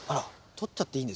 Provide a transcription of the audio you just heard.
取っちゃっていい。